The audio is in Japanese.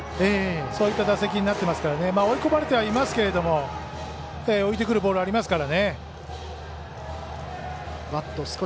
そういった打席になってますから追い込まれてはいますけども浮いてくるボールがありますから。